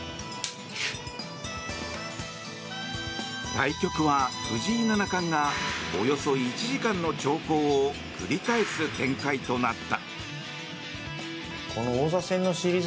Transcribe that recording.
対局は藤井七冠がおよそ１時間の長考を繰り返す展開となった。